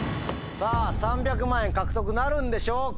さぁ３００万円獲得なるんでしょうか？